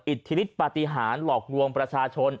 อิทธิฤทธปฏิหารหลอกลวงประชาชน